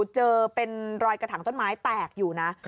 เจอเป็นรอยกระถังต้นไม้แตกอยู่นะ